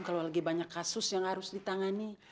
kalau lagi banyak kasus yang harus ditangani